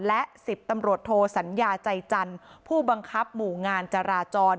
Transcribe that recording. และ๑๐ตำรวจโทสัญญาใจจันทร์ผู้บังคับหมู่งานจราจร